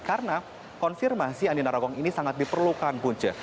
karena konfirmasi andi narogong ini sangat diperlukan punca